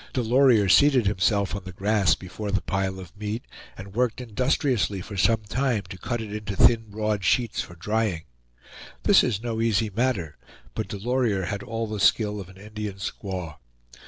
Delorier seated himself on the grass before the pile of meat, and worked industriously for some time to cut it into thin broad sheets for drying. This is no easy matter, but Delorier had all the skill of an Indian squaw.